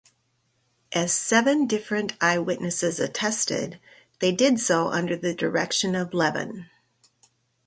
As seven different eyewitnesses attested, they did so under the direction of Leven.